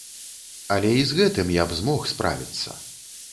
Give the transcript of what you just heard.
Але і з гэтым я б змог справіцца.